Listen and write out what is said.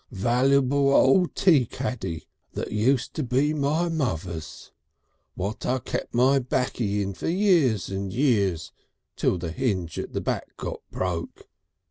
Vallyble old tea caddy that uset' be my mother's. What I kep' my baccy in for years and years till the hinge at the back got broke.